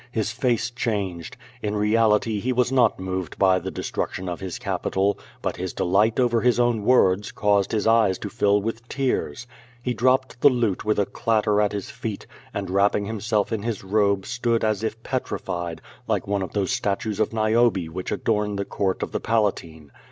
His face changed. In reality he was not moved by the destruction of his Capitol, but his delight over his own words caused his eyes to All with tears. He dropped the lute with a clatter at his feet, and wrapping himself in his robe stood as if petrified, like one of those statues of Niobe which adorn the court of the Palatine.